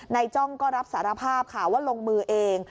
จ้องก็รับสารภาพค่ะว่าลงมือเอง